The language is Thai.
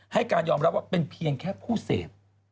ให้การยอมรับว่าเป็นเพียงแค่ผู้เสพ